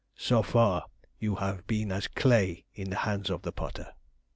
So far you have been as clay in the hands of the potter.